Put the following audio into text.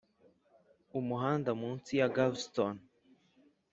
umuhanda munsi ya galveston.